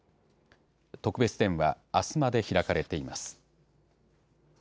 特別展はあすまで開かれています。